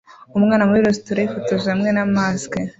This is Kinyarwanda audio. Umwana muri resitora yifotoje hamwe na mask